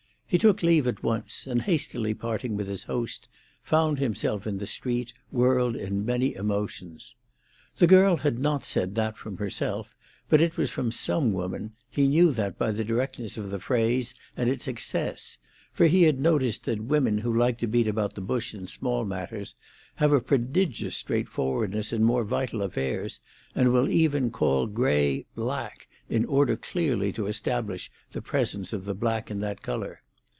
He took leave at once, and hastily parting with his host, found himself in the street, whirled in many emotions. The girl had not said that from herself, but it was from some woman; he knew that by the directness of the phrase and its excess, for he had noticed that women who liked to beat about the bush in small matters have a prodigious straightforwardness in more vital affairs, and will even call grey black in order clearly to establish the presence of the black in that colour.